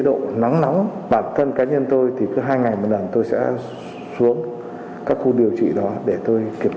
độ nắng nóng bản thân cá nhân tôi thì cứ hai ngày một lần tôi sẽ xuống các khu điều trị đó để tôi kịp